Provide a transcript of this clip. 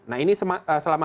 nah ini selama masa tenang